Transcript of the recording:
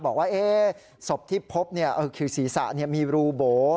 บอกว่าศพที่พบคือศีรษะมีรูโบ